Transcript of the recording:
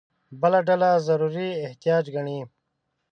بله ډله ضروري احتیاج ګڼي.